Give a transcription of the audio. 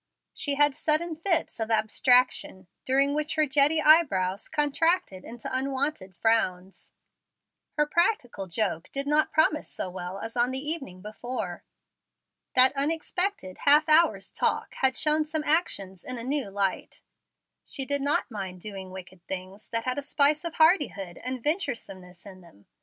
She had sudden fits of abstraction, during which her jetty eyebrows contracted into unwonted frowns. Her practical joke did not promise so well as on the evening before. That unexpected half hour's talk had shown some actions in a new light. She did not mind doing wicked things that had a spice of hardihood and venturesomeness in them.